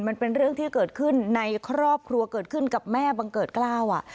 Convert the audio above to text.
มันเป็นเรื่องที่เกิดขึ้นในครอบครัวเกิดขึ้นกับแม่บังเกิดกล้าว